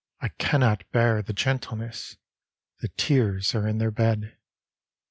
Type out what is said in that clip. I cannot bear the gentleness, ŌĆö The tears are in their bed.